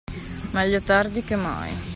Meglio tardi che mai.